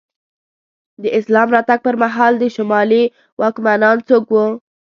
د اسلام راتګ پر مهال د شمالي واکمنان څوک وو؟